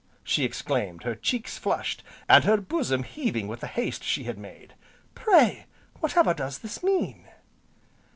she exclaimed, her cheeks flushed, and her bosom heaving with the haste she had made, "pray whatever does this mean?"